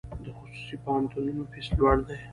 د خصوصي پوهنتونونو فیس لوړ دی؟